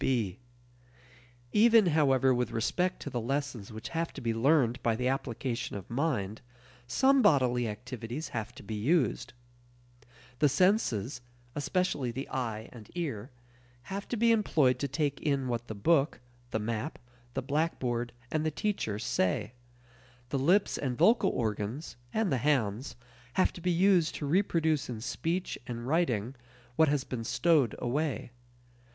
(b) Even, however, with respect to the lessons which have to be learned by the application of "mind," some bodily activities have to be used. The senses especially the eye and ear have to be employed to take in what the book, the map, the blackboard, and the teacher say. The lips and vocal organs, and the hands, have to be used to reproduce in speech and writing what has been stowed away.